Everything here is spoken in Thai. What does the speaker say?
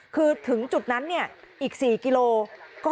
คือถึงจุดนั้นเนี่ยอีก๔กิโลกรัม